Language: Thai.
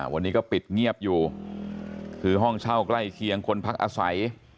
วันนี้ก็ปิดเงียบอยู่คือห้องเช่าใกล้เคียงคนพักอาศัย